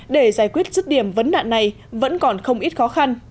để giải quyết dứt điểm vấn đạn này vẫn còn không ít khó khăn